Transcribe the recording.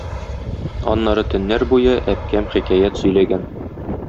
Аннары төннәр буе әбкәм хикәят сөйләгән.